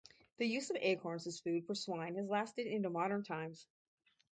The use of acorns as food for swine has lasted into modern times.